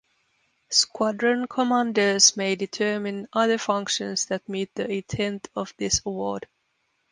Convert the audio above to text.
Squadron Commanders may determine other functions that meet the intent of this award.